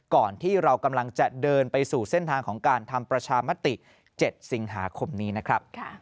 ก่อนที่เรากำลังจะเดินไปสู่เส้นทางของการทำประชามติ๗สิงหาคมนี้นะครับ